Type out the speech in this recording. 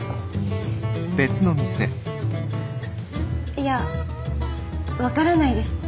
いや分からないです。